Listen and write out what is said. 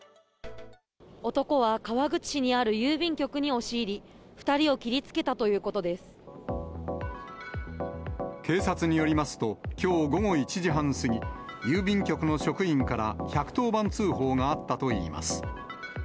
男は川口市にある郵便局に押し入り、２人を切りつけたという警察によりますと、きょう午後１時半過ぎ、郵便局の職員から、１１０番通報があったといいます。